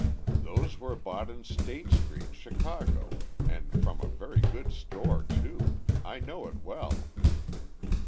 "Those were bought in State street, Chicago, and from a very good store, too—I know it well."